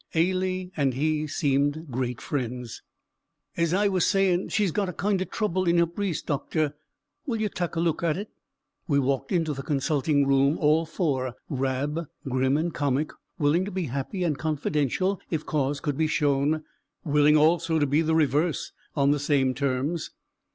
Ailie and he seemed great friends. "As I was sayin' she's got a kind o' trouble in her breest, doctor; wull ye tak' a look at it?" We walked into the consulting room, all four; Rab grim and comic, willing to be happy and confidential if cause could be shown, willing also to be the reverse, on the same terms.